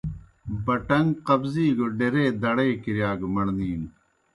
بٹَݩگ قبضی گہ ڈیرے دڑے کِرِیا گہ مڑنِینوْ